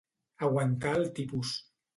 Aguantar el tipus.